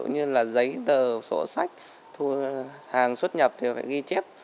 như giấy tờ sổ sách hàng xuất nhập thì phải ghi chép